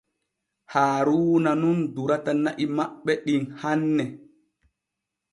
Haaruuna nun durata na’i maɓɓe ɗin hanne.